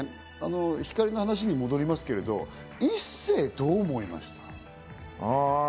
光莉の話に戻りますけど、一星、どう思いました？